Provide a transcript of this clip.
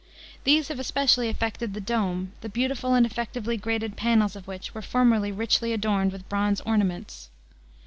These have especially affected the dome, the beautiful and effectively graded panels of which were formerly richly adorned with bronze ornaments.